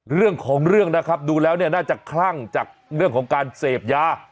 เรื่องของเรื่องนะครับดูแล้วเนี่ยน่าจะคลั่งจากเรื่องของการเสพยา